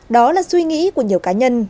đó là suy nghĩ của nhiều cá nhân